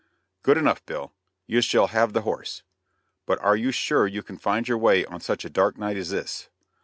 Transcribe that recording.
"Good enough, Bill; you shall have the horse; but are you sure you can find your way on such a dark night as this?"